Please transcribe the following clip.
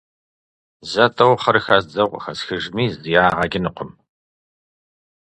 Зэ-тӀэу хъыр хэздзэу къыхэсхыжми зы ягъэ кӀынукъым…